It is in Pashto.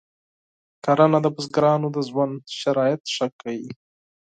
کرنه د بزګرانو د ژوند شرایط ښه کوي.